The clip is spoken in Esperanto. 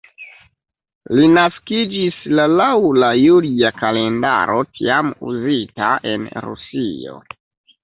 Li naskiĝis la laŭ la julia kalendaro tiam uzita en Rusio.